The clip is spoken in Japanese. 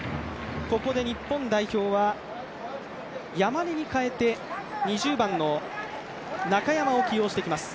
ここで日本代表は山根に代えて２０番の中山を起用していきます。